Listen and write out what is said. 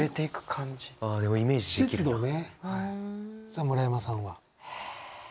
さあ村山さんは？え。